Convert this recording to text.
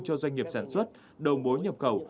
cho doanh nghiệp sản xuất đồ mối nhập cầu